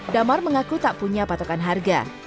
damar mengaku tak punya patokan harga